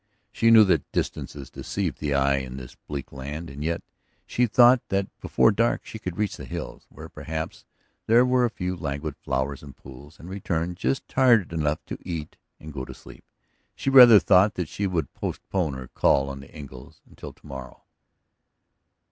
She knew that distances deceived the eye in this bleak land, and yet she thought that before dark she could reach the hills, where perhaps there were a few languid flowers and pools, and return just tired enough to eat and go to sleep. She rather thought that she would postpone her call on the Engles until to morrow.